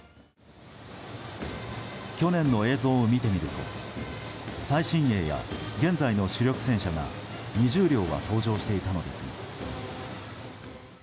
去年の映像を見てみると最新鋭や現在の主力戦車が２０両は登場していたのですが。